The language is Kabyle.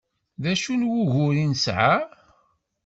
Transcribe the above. Acu n wugur i nesɛa?